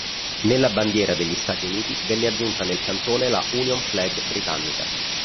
Nella bandiera degli Stati Uniti venne aggiunta nel cantone la Union Flag britannica.